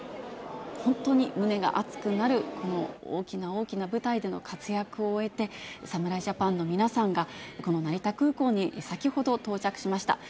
本当に胸が熱くなる、この大きな大きな舞台での活躍を終えて、侍ジャパンの皆さんが、この成田空港に先ほど到着しました。